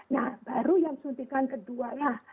nah baru yang suntikan kedualah